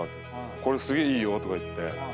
「これすげえいいよ」とか言って。